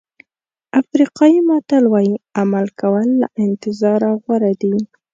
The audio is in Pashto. افریقایي متل وایي عمل کول له انتظار غوره دي.